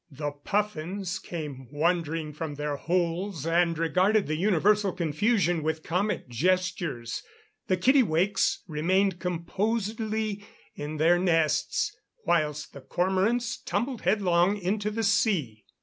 The puffins came wandering from their holes, and regarded the universal confusion with comic gestures. The kittiwakes remained composedly in their nests, whilst the cormorants tumbled headlong into the sea.